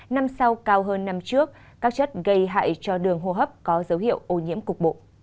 năm sau cao hơn năm trước các chất gây hại cho đường hô hấp có dấu hiệu ô nhiễm cục bộ